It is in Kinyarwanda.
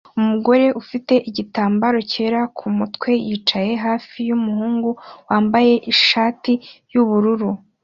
Umugore ufite igitambaro cyera kumutwe yicaye hafi yumuhungu wambaye ishati yubururu